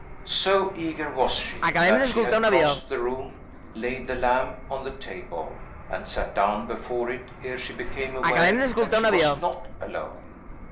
So eager was she, that she had crossed the room, laid the lamp on the table, and sat down before it, ere she became aware that she was not alone.